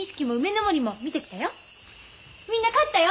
みんな勝ったよ！